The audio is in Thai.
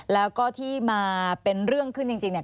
แล้วก็ที่มาเป็นเรื่องขึ้นจริงเนี่ย